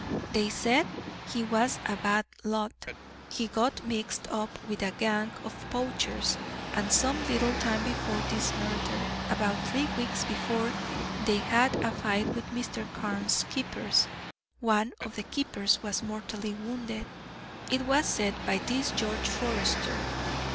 They say he was a bad lot; he got mixed up with a gang of poachers, and some little time before this murder, about three weeks before, they had a fight with Mr. Carne's keepers; one of the keepers was mortally wounded, it was said by this George Forester.